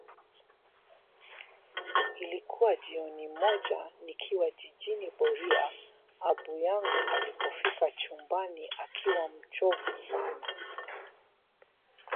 Ilikuwa jioni moja nikiwa jijini Boria abu yangu alipofika chumbani akiwa mchovu sana